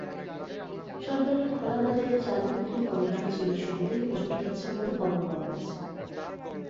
সরকারের খোলাবাজারে চাল বিক্রি কর্মসূচি শুরুতেই হোঁচট খেয়েছে বলে খবর পাওয়া গেছে।